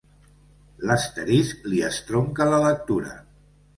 L'asterisc li estronca la lectura.